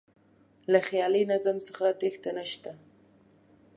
له خیالي نظم څخه تېښته نه شته.